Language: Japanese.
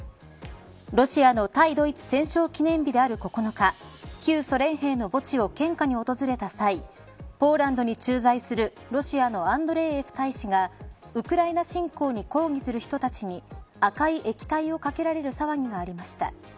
ロシアの対ドイツ戦勝記念日である９日旧ソ連兵の墓地に献花に訪れた際ポーランドに駐在するロシアのアンドレーエフ大使がウクライナ侵攻に抗議する人たちに赤い液体をかけられる騒ぎがありました。